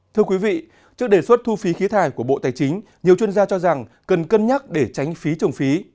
thưa quý vị trước đề xuất thu phí khí thải của bộ tài chính nhiều chuyên gia cho rằng cần cân nhắc để tránh phí trồng phí